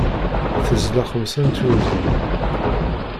Tezla xemsa n tyuẓaḍ.